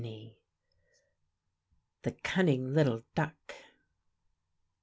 VIII. THE CUNNING LITTLE DUCK.